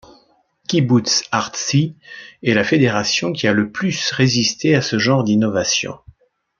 Kibboutz Artzi est la fédération qui a le plus résisté à ce genre d'innovations.